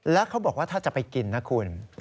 แล้วเขาบอกว่าถ้าจะไปกินนะคุณ